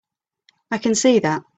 I can see that.